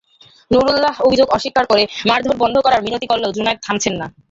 নুরুল্লাহ অভিযোগ অস্বীকার করে মারধর বন্ধ করার মিনতি করলেও জুনায়েদ থামছেন না।